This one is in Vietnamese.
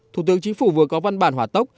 thủ tướng chính phủ vừa có văn bản hỏa tốc